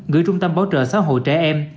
gửi trung tâm báo trợ xã hội trẻ em